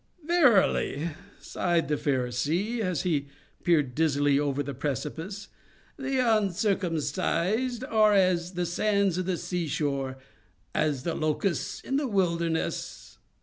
"Verily," sighed the Pharisee, as he peered dizzily over the precipice, "the uncircumcised are as the sands by the seashore—as the locusts in the wilderness!